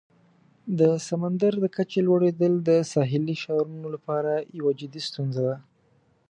د سمندر د کچې لوړیدل د ساحلي ښارونو لپاره یوه جدي ستونزه ده.